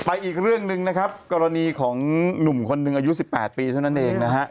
อีกเรื่องหนึ่งนะครับกรณีของหนุ่มคนหนึ่งอายุ๑๘ปีเท่านั้นเองนะฮะ